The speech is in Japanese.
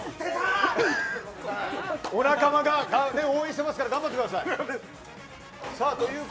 お仲間ががぜん応援してますから頑張ってください。